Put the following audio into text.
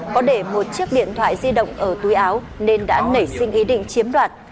có để một chiếc điện thoại di động ở túi áo nên đã nảy sinh ý định chiếm đoạt